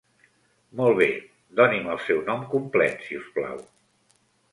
Molt bé, doni'm el seu nom complet si us plau.